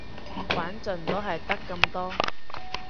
玩盡都係得咁多